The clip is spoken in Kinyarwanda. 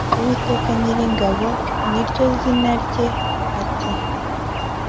Uwiteka Nyiringabo ni ryo zina rye ati